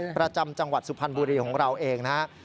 ประจำจังหวัดสุพรรณบุรีของเราเองนะครับ